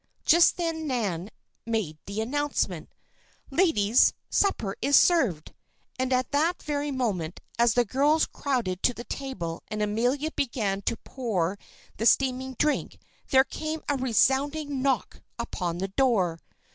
Just then Nan made the announcement: "Ladies, supper is served." And at that very moment, as the girls crowded to the table and Amelia began to pour the steaming drink, there came a resounding knock upon the door.